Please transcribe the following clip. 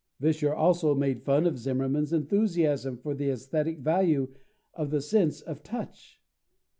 '" Vischer also made fun of Zimmermann's enthusiasm for the aesthetic value of the sense of touch.